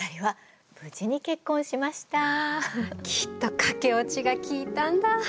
きっと駆け落ちが効いたんだ！